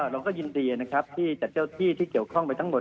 เราก็ยินดีนะครับที่จัดเจ้าที่ที่เกี่ยวข้องไปทั้งหมด